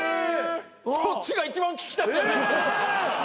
そっちが一番聞きたいじゃないですか。